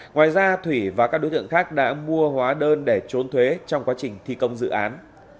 ngoài ra thủy và các đối tượng khác đã mua hóa đơn để trốn thuế trong quá trình thi công dự án